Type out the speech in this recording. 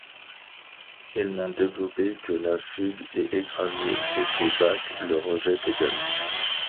Tellement développé que la fugue est écrasée et que Bach le rejette également.